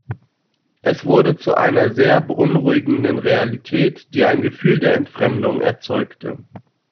Es wurde zu einer sehr beunruhigenden Realität, die ein Gefühl der Entfremdung erzeugte.